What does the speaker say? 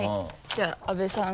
じゃあ阿部さん